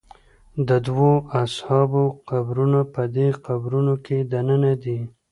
د دوو اصحابو قبرونه په دې قبرونو کې دننه دي.